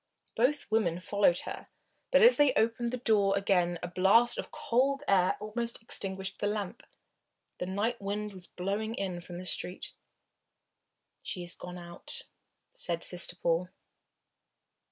Both women followed her, but as they opened the door again a blast of cold air almost extinguished the lamp. The night wind was blowing in from the street. "She is gone out," said Sister Paul.